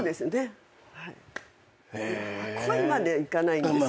恋まではいかないんですけど。